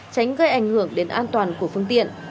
tránh gây ảnh hưởng đến an toàn của phương tiện